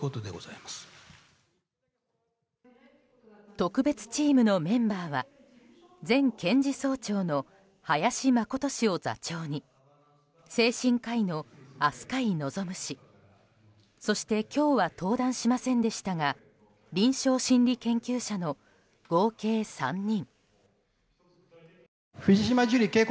特別チームのメンバーは前検事総長の林眞琴氏を座長に精神科医の飛鳥井望氏そして今日は登壇しませんでしたが臨床心理研究者の合計３人。